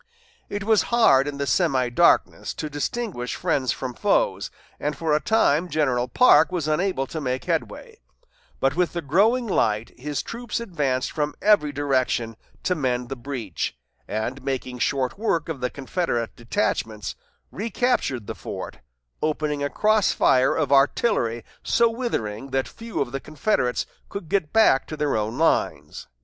It was hard in the semi darkness to distinguish friends from foes, and for a time General Parke was unable to make headway; but with the growing light his troops advanced from every direction to mend the breach, and, making short work of the Confederate detachments, recaptured the fort, opening a cross fire of artillery so withering that few of the Confederates could get back to their own lines.